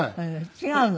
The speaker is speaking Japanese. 違うの？